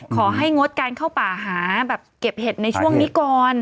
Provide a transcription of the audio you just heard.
ขอให้งดการเข้าป่าหาแบบเก็บเห็ดในช่วงนี้ก่อน